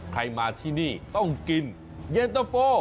ใครมาที่นี่ต้องกินเย็นตะโฟ